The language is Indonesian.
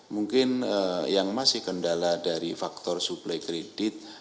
mungkin yang masih kendala dari faktor suplai kredit